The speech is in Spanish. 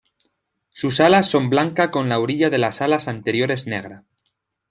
Sus alas son blanca con la orilla de las alas anteriores negra.